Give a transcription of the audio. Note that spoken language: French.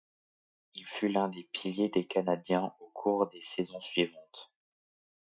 Il fut l'un des piliers des Canadiens aux cours des saisons suivantes.